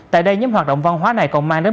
tại đây những hoạt động văn hóa này còn mang đến